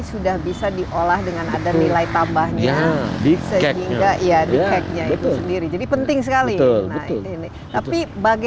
sudah bisa diolah dengan ada nilai tabung